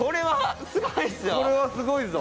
これはすごいぞ。